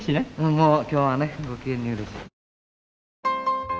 もう今日はねご機嫌によろしい。